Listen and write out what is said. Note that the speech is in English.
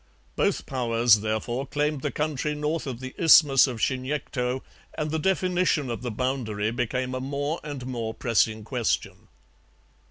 Both powers, therefore, claimed the country north of the isthmus of Chignecto, and the definition of the boundary became a more and more pressing question.